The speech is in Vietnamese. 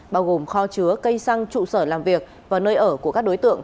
bao gồm kho chứa cây xăng trụ sở làm việc và nơi ở của các đối tượng